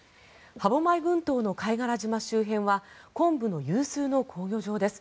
歯舞群島の貝殻島周辺は昆布の有数の好漁場です。